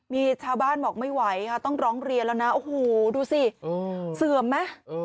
มีชาวบ้านบอกไม่ไหวค่ะต้องร้องเรียนแล้วนะโอ้โหดูสิเสื่อมไหม